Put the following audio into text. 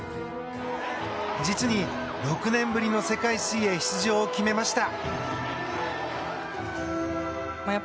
実に６年ぶりの世界水泳出場を決めました。